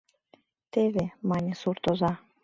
— Теве! — мане суртоза.